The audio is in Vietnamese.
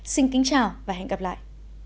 xin kính chào và hẹn gặp lại